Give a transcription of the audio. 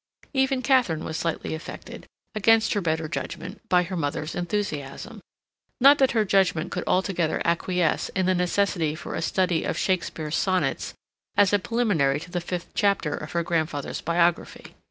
Even Katharine was slightly affected against her better judgment by her mother's enthusiasm. Not that her judgment could altogether acquiesce in the necessity for a study of Shakespeare's sonnets as a preliminary to the fifth chapter of her grandfather's biography.